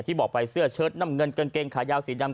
บอกไปเสื้อเชิดน้ำเงินกางเกงขายาวสีดำ